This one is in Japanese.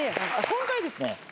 今回ですね。